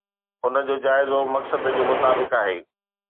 ان جو جائزو مقصد جي مطابق آهي.